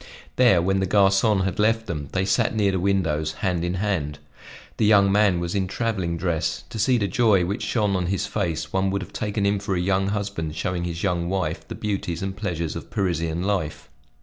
There, when the garcon had left them, they sat near the windows, hand in hand. The young man was in traveling dress; to see the joy which shone on his face, one would have taken him for a young husband showing his young wife the beauties and pleasures of Parisian life.